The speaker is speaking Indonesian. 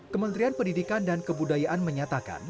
kementerian pendidikan dan kebudayaan menyatakan